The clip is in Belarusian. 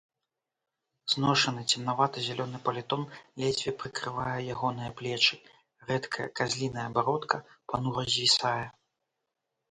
Зношаны цемнавата-зялёны палітон ледзьве прыкрывае ягоныя плечы, рэдкая казліная бародка панура звісае.